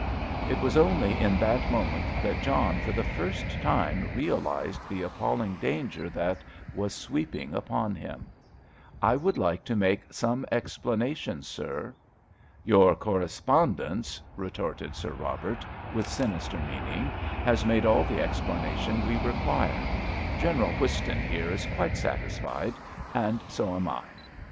It was only in that moment that John for the first time realised the appalling danger that was sweeping upon him. "I would like to make some explanation, sir." "Your correspondence," retorted Sir Robert, with sinister meaning, "has made all the explanation we require! General Whiston here is quite satisfied, and so am I."